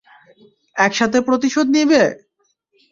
একসাথে প্রতিশোধ নিবে?